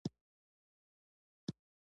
زه مينه لرم